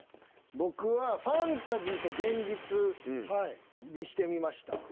僕はファンタジーと現実にしてみました。